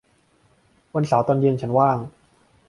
วันเสาร์ตอนเย็นฉันว่าง